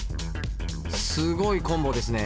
すごいコンボですね。